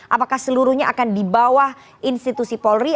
apakah seluruhnya akan di bawah institusi polri